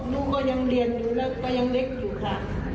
ลูกก็ยังเรียนอยู่แล้วก็ยังเล็กอยู่ค่ะ